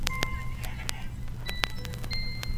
محلونه په جرگو کې را ايسار دي